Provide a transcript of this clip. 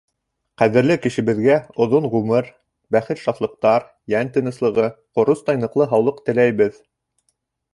Ҡәҙерле кешебеҙгә оҙон ғүмер, бәхет-шатлыҡтар, йән тыныслығы, ҡоростай ныҡлы һаулыҡ теләйбеҙ.